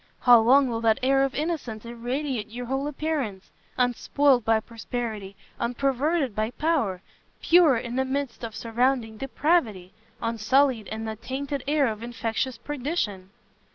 How long will that air of innocence irradiate your whole appearance? unspoilt by prosperity, unperverted by power! pure in the midst of surrounding depravity! unsullied in the tainted air of infectious perdition!"